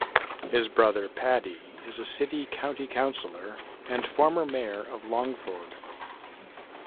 His brother Paddy is a sitting county councillor and former Mayor of Longford.